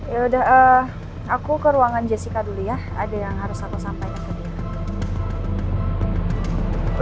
yaudah aku ke ruangan jessica dulu ya ada yang harus aku sampaikan ke dia